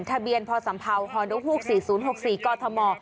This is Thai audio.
ทะเบียนพสัมเภาฮฮูก๔๐๖๔กม